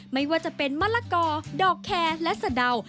ไม่ว่าจะเป็นมะละกอดอกแคร์และสะเดา